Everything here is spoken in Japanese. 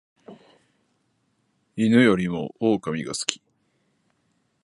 犬よりも狼が好き